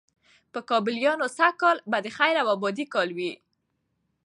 په کابليانو سږ کال به د خیره د آبادۍ کال وي،